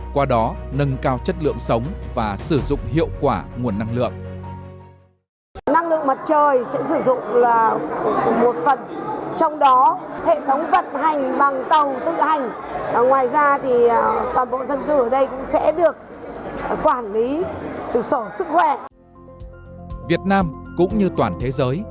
qua đó nâng cao chất lượng sống và sử dụng hiệu quả nguồn năng lượng